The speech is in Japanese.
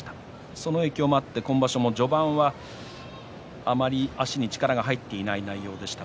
その影響もあって今場所序盤はあまり足に力が入っていない内容でした。